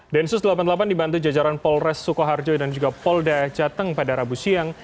densus delapan puluh delapan dibantu jajaran polres sukoharjo dan juga polda jateng pada rabu siang